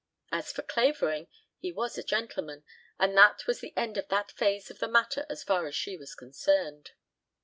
As for Clavering, he was a gentleman, and that was the end of that phase of the matter as far as she was concerned.